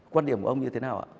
quan điểm của ông như thế nào ạ